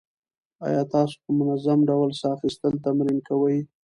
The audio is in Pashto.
ایا تاسو په منظم ډول ساه اخیستل تمرین کوئ؟